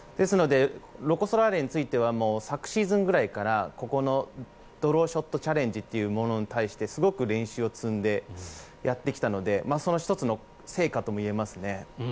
ロコ・ソラーレについては昨シーズンぐらいからここのドローショットチャレンジというものに対してすごく練習を積んでやってきたのでその１つの成果とも言えますね。